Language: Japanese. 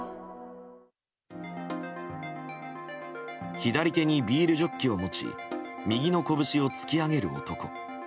左手にビールジョッキを持ち右の拳を突き上げる男。